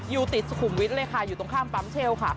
อยู่ติดสุขุมวิทย์เลยค่ะอยู่ตรงข้ามปั๊มเชลค่ะ